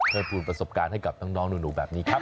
ภูมิประสบการณ์ให้กับน้องหนูแบบนี้ครับ